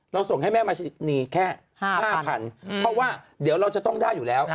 ส่งให้แม่มานีแค่๕๐๐เพราะว่าเดี๋ยวเราจะต้องได้อยู่แล้ว